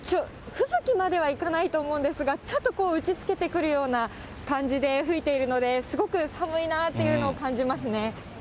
吹雪まではいかないと思うんですが、ちょっと打ちつけてくるような感じで、吹いているので、すごく寒いなっていうのを感じますね。